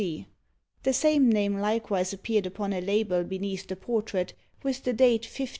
C." The same name likewise appeared upon a label beneath the portrait, with the date 1550.